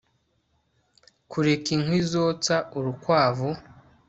Kureka inkwi zotsa urukwavu